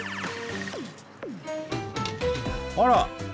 あら！